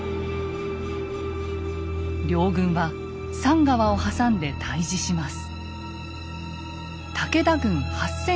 両軍は産川を挟んで対峙します。